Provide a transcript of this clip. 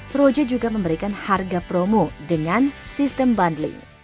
proje juga memberikan harga promo dengan sistem bundling